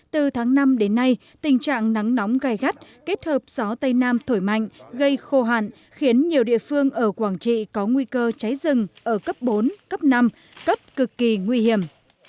từ tháng năm đến nay tình trạng nắng nóng gai gắt kết hợp gió tây nam thổi mạnh gây khô hạn khiến nhiều địa phương ở quảng trị có nguy cơ cháy rừng ở cấp bốn cấp năm cấp cực kỳ nguy hiểm